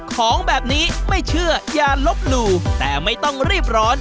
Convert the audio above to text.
ของแบบนี้ไม่เชื่ออย่าลบหลู่แต่ไม่ต้องรีบร้อน